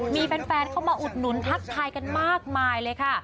มีแฟนเข้ามาอุดหนุนทักทายกันมากมายเลยค่ะ